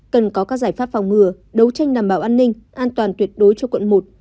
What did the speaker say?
cần có các giải pháp phòng ngừa đấu tranh đảm bảo an ninh an toàn tuyệt đối cho quận một